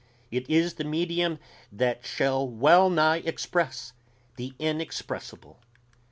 It is the medium that shall well nigh express the inexpressible.